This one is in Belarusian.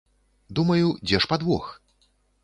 Думаю, дзе ж падвох?